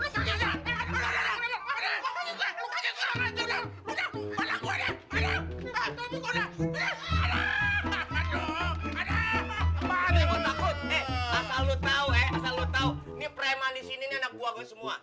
selalu tahu sentuh nih premangs ini anak gua semua